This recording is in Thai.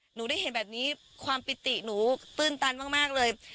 หนูได้เห็นแบบนี้ความปิติหนูตื้นตันมากเลย